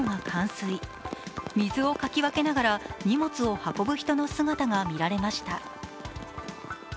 水をかき分けながら荷物を運ぶ人の姿が見られました。